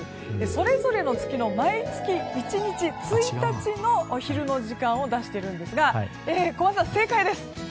それぞれの月の毎月１日の昼の時間を出しているんですが小松さん、正解です。